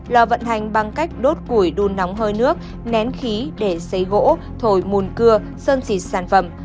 lò vận hành bằng cách đốt củi đun nóng hơi nước nén khí để xấy gỗ thổi mùn cưa sơn xịt sản phẩm